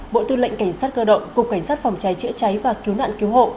bộ tư lệnh cảnh sát cơ động cục cảnh sát phòng cháy chữa cháy và cứu nạn cứu hộ